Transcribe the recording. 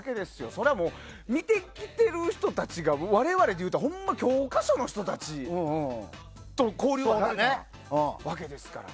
それはもう見てきている人たちが我々で言うたらほんまに教科書の人たちと交流があったわけですから。